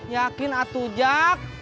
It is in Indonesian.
yakin atu jak